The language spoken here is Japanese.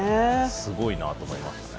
すごいなと思いますね。